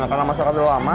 karena masaknya lama